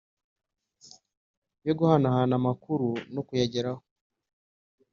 yo guhanahana amakuru no kuyageraho